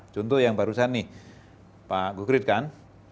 contoh yang barusan nih pak gugrit kan